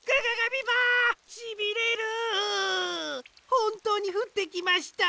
ほんとうにふってきました。